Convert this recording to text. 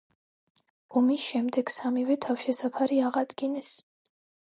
ომის შემდეგ, სამივე თავშესაფარი აღადგინეს.